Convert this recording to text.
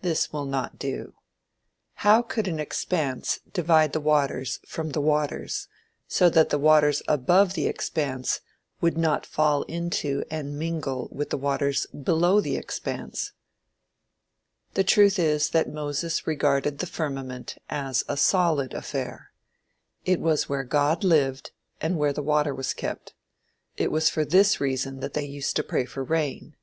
This will not do. How could an expanse divide the waters from the waters, so that the waters above the expanse would not fall into and mingle with the waters below the expanse? The truth is that Moses regarded the firmament as a solid affair. It was where God lived, and where water was kept. It was for this reason that they used to pray for rain.